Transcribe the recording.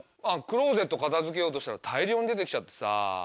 クローゼット片付けようとしたら大量に出て来ちゃってさ。